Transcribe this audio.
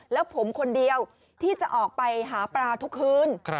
แล้วผมคนเดียวที่จะออกไปหาปลาทุกคืน